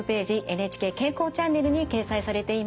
「ＮＨＫ健康チャンネル」に掲載されています。